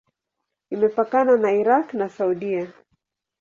Imepakana na Irak na Saudia.